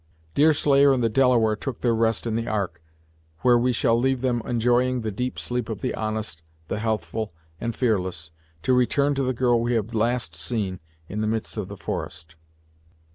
Deerslayer and the Delaware took their rest in the Ark, where we shall leave them enjoying the deep sleep of the honest, the healthful and fearless, to return to the girl we have last seen in the midst of the forest.